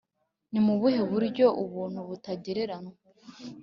Ni mu buhe buryo ubuntu butagereranywa